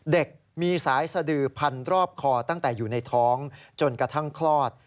เด็กมีสายสดือพันรอบคอตั้งแต่อยู่ในท้องจนกระทั่งคลอด